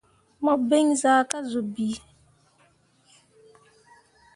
Mu biŋ zaa ka zuu bii.